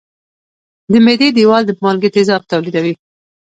د معدې دېوال د مالګي تیزاب تولیدوي.